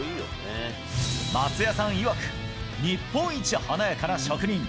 松也さんいわく、日本一華やかな職人！